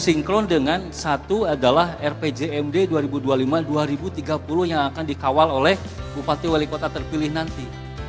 sinkron dengan satu adalah rpjmd dua ribu dua puluh lima dua ribu tiga puluh yang akan dikawal oleh bupati wali kota terpilih nanti